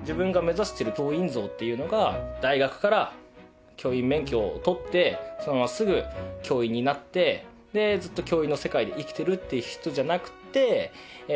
自分が目指している教員像というのが大学から教員免許を取ってそのまますぐ教員になってでずっと教員の世界で生きてるという人じゃなくてえっと。